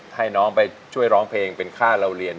ให้น้องไปช่วยร้องเพลงเป็นค่าเราเรียน